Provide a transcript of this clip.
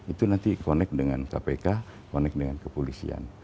itu nanti connect dengan kpk connect dengan kepolisian